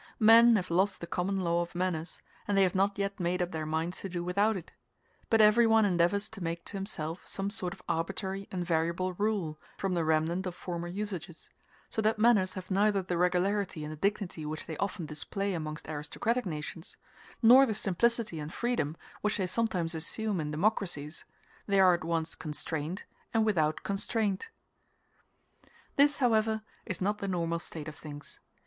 Men have lost the common law of manners, and they have not yet made up their minds to do without it; but everyone endeavors to make to himself some sort of arbitrary and variable rule, from the remnant of former usages; so that manners have neither the regularity and the dignity which they often display amongst aristocratic nations, nor the simplicity and freedom which they sometimes assume in democracies; they are at once constrained and without constraint. This, however, is not the normal state of things.